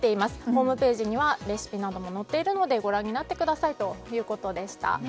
ホームページにはレシピなども載っているのでご覧になってくださいということでした。